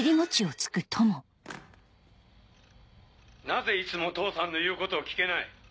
なぜいつも父さんの言うことを聞けない？